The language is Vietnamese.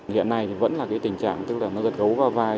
hiện nay thì vẫn là cái tình trạng tức là nó giật gấu qua vai